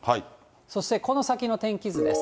そしてこの先の天気図です。